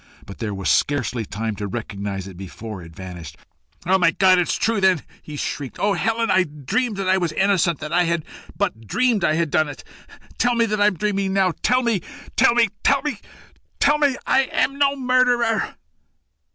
But there was scarcely time to recognise it before it vanished. "My God, it is true then!" he shrieked. "O Helen, I dreamed that I was innocent that I had but dreamed I had done it. Tell me that I'm dreaming now. Tell me! tell me! Tell me that I am no murderer!"